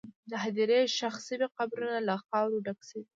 د هدیرې ښخ شوي قبرونه له خاورو ډک شوي وو.